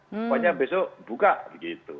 pokoknya besok buka begitu